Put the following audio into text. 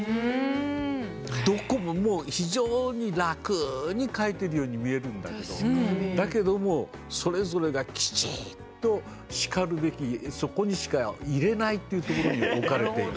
どこも非常に楽に描いてるように見えるんだけどだけどもそれぞれがきちんとしかるべきそこにしかいれないっていうところに置かれている。